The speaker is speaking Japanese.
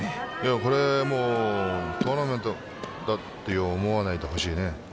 これはトーナメントだと思わないでほしいね。